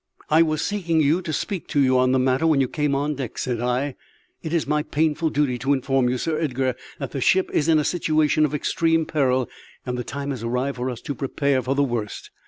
"I was seeking you to speak to you on the matter when you came on deck," said I. "It is my painful duty to inform you, Sir Edgar, that the ship is in a situation of extreme peril, and the time has arrived for us to prepare for the worst.